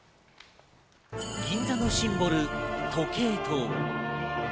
銀座のシンボル時計塔。